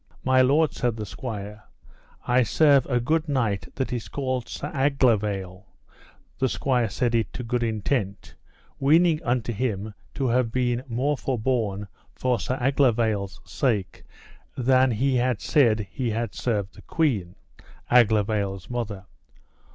My lord, said the squire, I serve a good knight that is called Sir Aglovale: the squire said it to good intent, weening unto him to have been more forborne for Sir Aglovale's sake, than he had said he had served the queen, Aglovale's mother.